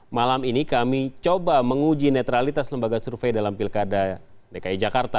malam ini kami coba menguji netralitas lembaga survei dalam pilkada dki jakarta